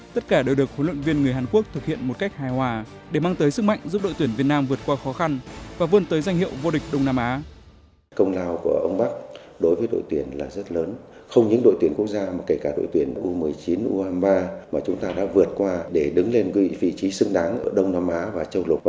tất cả đều được huấn luyện viên người hàn quốc thực hiện một cách hài hòa để mang tới sức mạnh giúp đội tuyển việt nam vượt qua khó khăn và vươn tới danh hiệu vô địch đông nam á